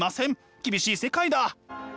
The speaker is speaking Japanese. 厳しい世界だ。